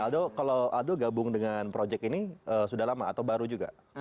aldo kalau aldo gabung dengan proyek ini sudah lama atau baru juga